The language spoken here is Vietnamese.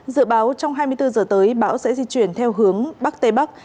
dự báo trong hai mươi bốn giờ tới bão sẽ di chuyển theo hướng bắc tây bắc